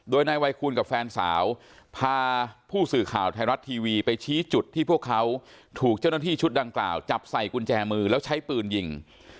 โดยนายวัยคูณกับแฟนสาวพาผู้สื่อข่าวไทยรัฐทีวีไปชี้จุดที่พวกเขาถูกเจ้าหน้าที่ชุดดังกล่าวจับใส่กุญแจมือแล้วใช้ปืนยิง